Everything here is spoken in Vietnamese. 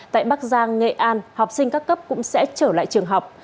tại bắc giang nghệ an học sinh các cấp cũng sẽ trở lại trường học